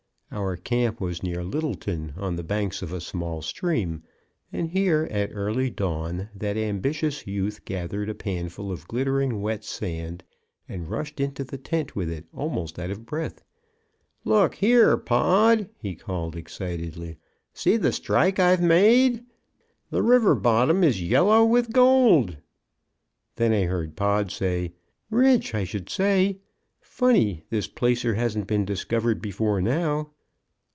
Our camp was near Littleton, on the banks of a small stream, and here at early dawn that ambitious youth gathered a panful of glittering wet sand, and rushed into the tent with it, almost out of breath. "Look here, Pod!" he called, excitedly, "see the strike I've made! The river bottom is yellow with gold!" Then I heard Pod say, "Rich, I should say! Funny this placer hasn't been discovered before now."